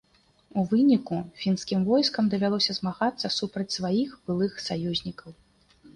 У выніку фінскім войскам давялося змагацца супраць сваіх былых саюзнікаў.